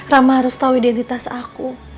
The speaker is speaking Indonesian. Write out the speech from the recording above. rama harus tahu identitas aku